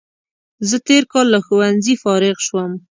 زه تېر کال له ښوونځي فارغ شوم